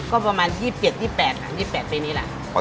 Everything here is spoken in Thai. ก็ประมาณ๒๑๒๘ปีนี้แหละ